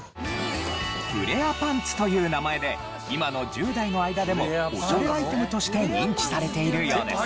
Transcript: フレアパンツという名前で今の１０代の間でもオシャレアイテムとして認知されているようです。